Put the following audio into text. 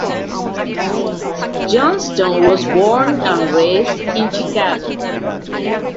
Johnston was born and raised in Chicago.